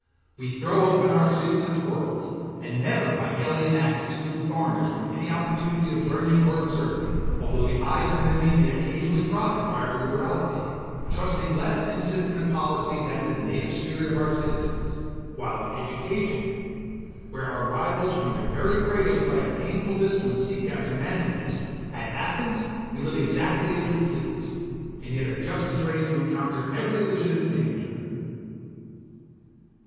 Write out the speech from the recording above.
We throw open our city to the world, and never by alien acts exclude foreigners from any opportunity of learning or observing, although the eyes of an enemy may occasionally profit by our liberality; trusting less in system and policy than to the native spirit of our citizens; while in education, where our rivals from their very cradles by a painful discipline seek after manliness, at Athens we live exactly as we please, and yet are just as ready to encounter every legitimate danger.